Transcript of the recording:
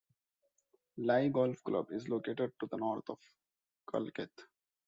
Leigh Golf Club is located to the north of Culcheth.